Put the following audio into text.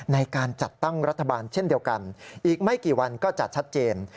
ในการจัดตั้งรัฐบาลเช่นเดียวกันอีกไม่กี่วันก็จะชัดเจน